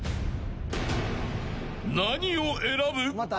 ［何を選ぶ？］